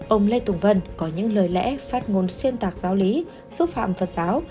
ông lê tùng vân có những lời lẽ phát ngôn xuyên tạc giáo lý xúc phạm phật giáo